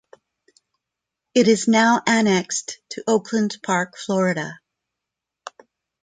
It is now annexed to Oakland Park, Florida.